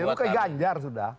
lo ke ganjar sudah